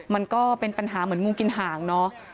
มันก็เป็นปัญหาเหมือนงูกินหางเนอะ